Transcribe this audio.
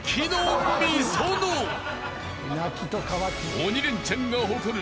［『鬼レンチャン』が誇る］